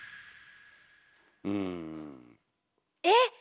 うん。えっ？